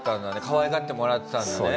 かわいがってもらってたんだね。